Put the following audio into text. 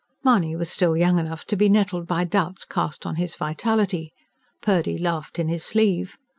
Mahony was still young enough to be nettled by doubts cast on his vitality. Purdy laughed in his sleeve.